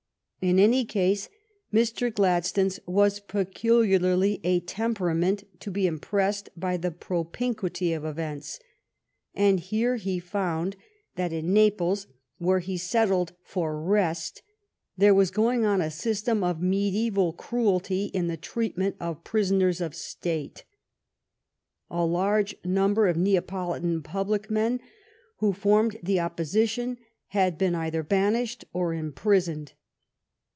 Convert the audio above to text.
In any case, Mr. Gladstones was pecul iarly a temperament to be impressed by the propinquity of events. And here he found that in the Naples where he settled for rest there was going on a system of mediaeval cruelty in the treatment of prisoners of state. A large number of Neapolitan public men who formed the oppo sition had been either banished or imprisoned.